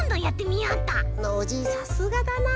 さすがだな。